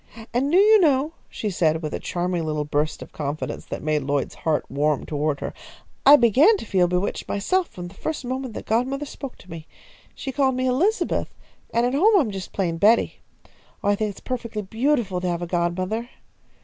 And do you know," she said, with a charming little burst of confidence that made Lloyd's heart warm toward her, "I began to feel bewitched myself, from the first moment that godmother spoke to me? She called me Elizabeth, and at home I am just plain Betty. Oh, I think it is perfectly beautiful to have a godmother."